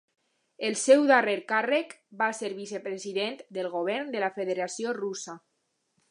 El seu darrer càrrec va ser vicepresident del govern de la Federació Russa.